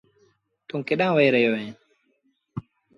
توٚنٚ ڪيڏآنٚ وهي رهيو اهينٚ